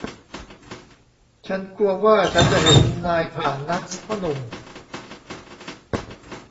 ฉันกลัวว่าฉันจะเห็นนายผ่านนะ พ่อหนุ่ม